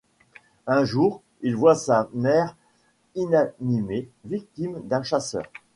Un jour, il voit sa mère inanimée victime d'un chasseur.